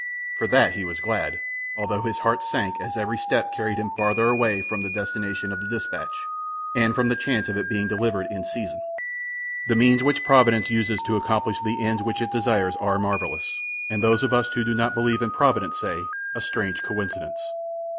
For that he was glad, although his heart sank as every step carried him farther away from the destination of the dispatch, and from the chance of its being delivered in season. The means which providence uses to accomplish the ends which it desires are marvellous, and those of us who do not believe in providence say, "a strange coincidence."